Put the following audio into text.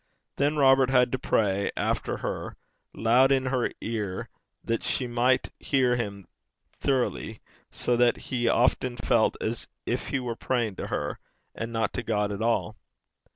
Then Robert had to pray after her, loud in her ear, that she might hear him thoroughly, so that he often felt as if he were praying to her, and not to God at all.